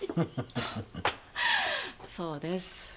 そうです。